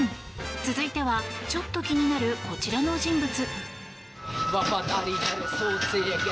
続いては、ちょっと気になるこちらの人物。